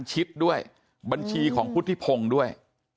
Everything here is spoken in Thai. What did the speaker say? ชิดด้วยบัญชีของพุทธิพงศ์ด้วย